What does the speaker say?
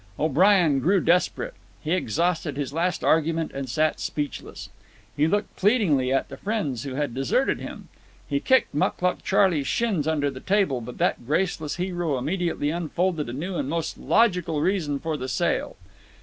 O'Brien grew desperate. He exhausted his last argument and sat speechless. He looked pleadingly at the friends who had deserted him. He kicked Mucluc Charley's shins under the table, but that graceless hero immediately unfolded a new and most logical reason for the sale.